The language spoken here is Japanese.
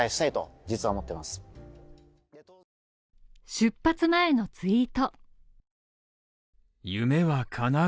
出発前のツイート。